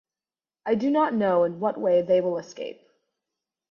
I do not know in what way they will escape.